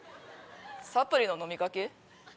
サプリの飲みかけ？